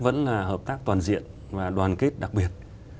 vẫn là hợp tác toàn diện và đoàn kết đặc biệt